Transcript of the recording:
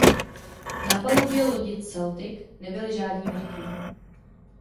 Na palubě lodi Celtic nebyli žádní mrtví.